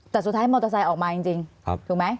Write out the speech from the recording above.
แต่สุดท้ายมอเตอร์ไซค์ออกมาจริงถูกไหม